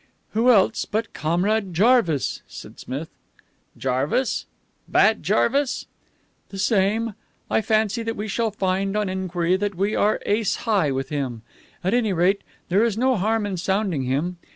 "Who else but Comrade Jarvis?" said Smith. "Jarvis? Bat Jarvis?" "The same. I fancy that we shall find, on enquiry, that we are ace high with him. At any rate, there is no harm in sounding him.